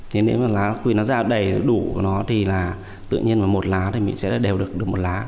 thế nên là lá quỳ nó ra đầy đủ của nó thì là tự nhiên một lá thì mình sẽ đều được được một lá